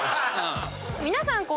皆さん